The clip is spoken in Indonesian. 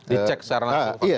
dicek secara langsung faktanya